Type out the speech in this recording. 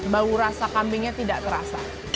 bau rasa kambingnya tidak terasa